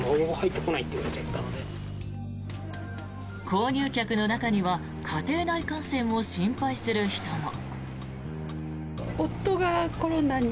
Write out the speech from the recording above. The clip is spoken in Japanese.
購入客の中には家庭内感染を心配する人も。